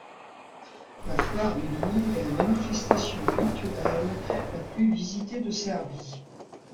La Foire du livre est la manifestation culturelle la plus visitée de Serbie.